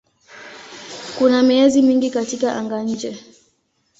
Kuna miezi mingi katika anga-nje.